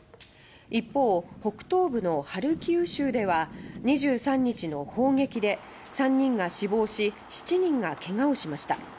一方、北東部のハルキウ州では２３日の砲撃で３人が死亡し７人がけがをしました。